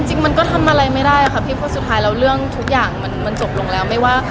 ก็จริงมันก็ทำอะไรไม่ได้อ่ะค่ะพี่เพราะสุดท้ายเราเรื่องทุกอย่างมันจบลงแล้ว